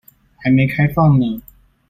還沒開放呢